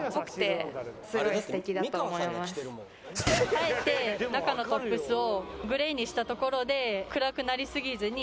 あえて中のトップスをグレーにしたところで暗くなりすぎずに。